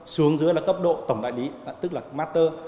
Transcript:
xuống dưới là cấp độ tổng đại lý tức là master